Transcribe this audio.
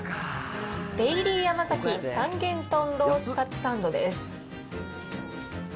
デイリーヤマザキ、三元豚ロースかつサンドです。